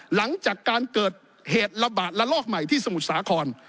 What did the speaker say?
หลังจากการเกิดเหตุระบาดระลอกใหม่ที่สมุทรสาคร